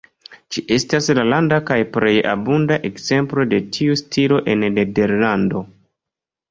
Ĝi estas la lasta kaj plej abunda ekzemplo de tiu stilo en Nederlando.